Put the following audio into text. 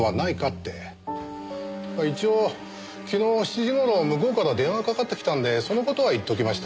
一応昨日の７時頃向こうから電話がかかってきたんでその事は言っときました。